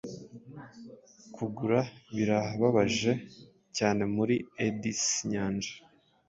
Kugura birababaje cyanemuri eddies-nyanja